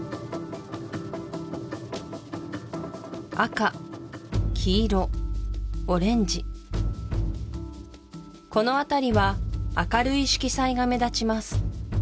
赤黄色オレンジこの辺りは明るい色彩が目立ちます